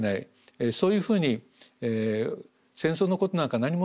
そういうふうに戦争のことなんか何も知らなくていい。